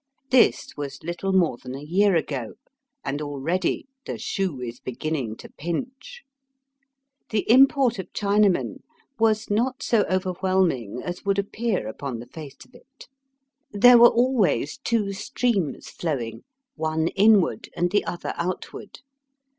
This was little more than a year ago, and already the shoe is beginning to pinch. The import of Chinamen was not so overwhelming as would appear upon the face of it. There were always two streams flowing, one in ward and the other outward.